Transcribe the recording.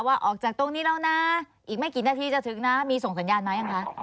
ว่าออกจากตรงนี้แล้วนะอีกไม่กี่นาทีจะถึงนะมีส่งสัญญาณไหมยังคะ